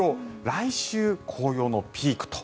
来週、紅葉のピークと。